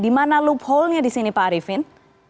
dimana loophole nya disini pak arifin